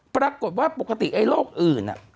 ปรากฏว่าปกติไอ้โรคอื่น